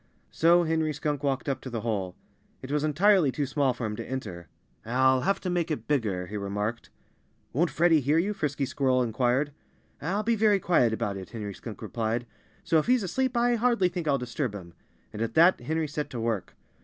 So Henry Skunk walked up to the hole. It was entirely too small for him to enter. "I'll have to make it bigger," he remarked. "Won't Freddie hear you?" Frisky Squirrel inquired. "I'll be very quiet about it," Henry Skunk replied. "So if he's asleep I hardly think I'll disturb him." And at that Henry set to work.